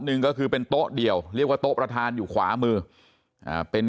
หนึ่งก็คือเป็นโต๊ะเดียวเรียกว่าโต๊ะประธานอยู่ขวามือเป็น